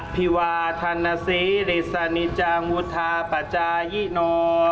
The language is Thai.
อภิวะธนสีริสนิจจังวุฒาปัจจายิโน